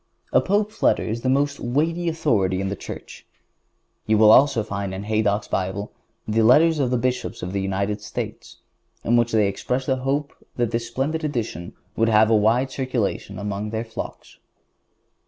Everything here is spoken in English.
A Pope's letter is the most weighty authority in the Church. You will also find in Haydock's Bible the letters of the Bishops of the United States, in which they express the hope that this splendid edition would have a wide circulation among their flocks.